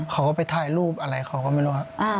เขาก็ไปถ่ายรูปอะไรเขาก็ไม่รู้ครับ